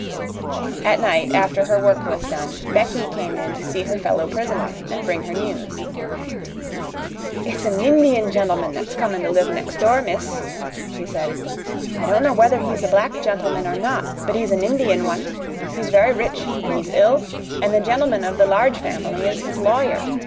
At night, after her work was done, Becky came in to see her fellow prisoner and bring her news. "It's a' Nindian gentleman that's comin' to live next door, miss," she said. "I don't know whether he's a black gentleman or not, but he's a Nindian one. He's very rich, an' he's ill, an' the gentleman of the Large Family is his lawyer.